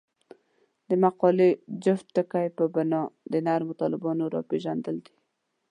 د مقالې جوت ټکی پر بنا د نرمو طالبانو راپېژندل دي.